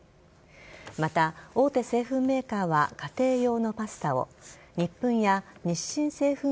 また、大手製粉メーカーは家庭用のパスタをニップンや日清製粉